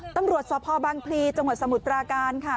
ตำรวจสพบังพลีจังหวัดสมุทรปราการค่ะ